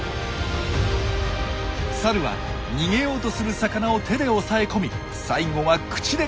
サルは逃げようとする魚を手で押さえ込み最後は口でガブリ。